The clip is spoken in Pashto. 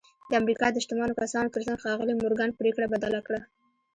د امریکا د شتمنو کسانو ترڅنګ ښاغلي مورګان پرېکړه بدله کړه